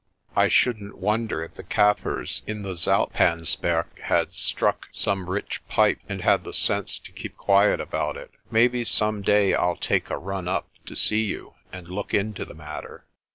I shouldn't wonder if the Kaffirs in the Zoutpansberg had struck some rich pipe, and had the sense to keep quiet about it. Maybe some day I'll take a run up to see you and look into the matter."